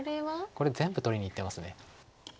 これ全部取りにいってます。